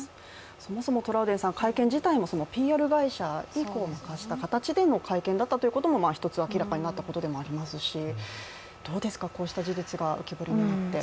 そもそも会見自体もＰＲ会社に任せた形での会見だったということも１つ明らかになったことでもありますし、どうですか、こうした事実が浮き彫りになって。